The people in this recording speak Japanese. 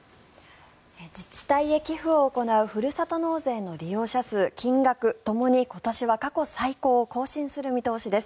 自治体へ寄付を行うふるさと納税の利用者数、金額ともに今年は過去最高を更新する見通しです。